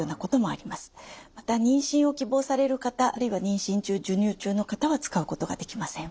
また妊娠を希望される方あるいは妊娠中授乳中の方は使うことができません。